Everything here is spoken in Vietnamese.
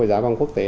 và giá vàng quốc tế